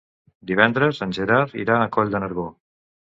Divendres en Gerard irà a Coll de Nargó.